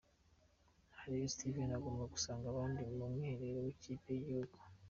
Ntaribi Steven agomba gusanga abandi mu mwiherero w'ikipe y'igihugu.